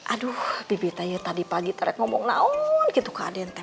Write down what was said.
aduh bibit aja tadi pagi terek ngomong naon gitu ke adik adiknya